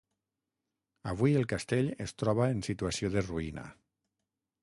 Avui el castell es troba en situació de ruïna.